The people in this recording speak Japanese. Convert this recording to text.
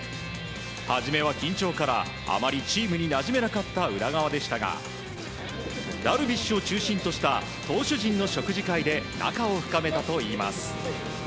はじめは緊張からあまりチームになじめなかった宇田川ですがダルビッシュを中心とした投手陣の食事会で仲を深めたといいます。